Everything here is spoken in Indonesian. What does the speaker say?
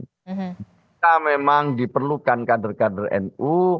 kita memang diperlukan kader kader nu